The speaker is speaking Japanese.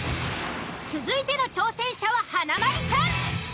続いての挑戦者は華丸さん。